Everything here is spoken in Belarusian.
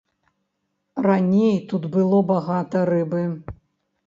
Раней тут было багата рыбы.